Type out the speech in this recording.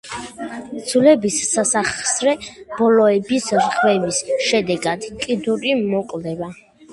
ძვლების სასახსრე ბოლოების რღვევის შედეგად, კიდური მოკლდება.